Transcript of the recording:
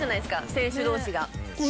選手同士が。